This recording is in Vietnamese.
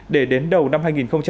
để đến đầu năm hai nghìn hai mươi hai